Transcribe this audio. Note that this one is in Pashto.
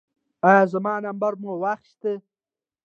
ایا زما نمبر مو واخیست؟